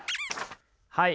はい。